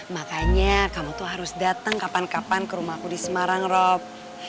makanya kamu tuh harus datang kapan kapan ke rumahku di semarang rob